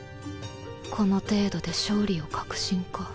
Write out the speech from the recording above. この程度で勝利を確信か。